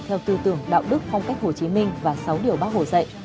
theo tư tưởng đạo đức phong cách hồ chí minh và sáu điều bác hồ dạy